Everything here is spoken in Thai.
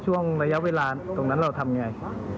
ช่วงระยะเวลาตรงนั้นเราทำยังไง